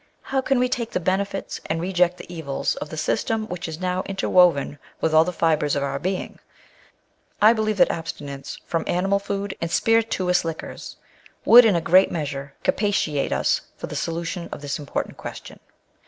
How can we take tbe benefits and reject tbe evils of tbe system wbicb is now interwoven witb all tbe fibres of our being ? I believe tbat abstinence from animal food and spirituous liquors would in a great measure capacitate us for tbe solution of tbis important question.